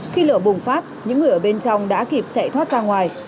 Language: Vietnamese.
khi lửa bùng phát những người ở bên trong đã kịp chạy thoát ra ngoài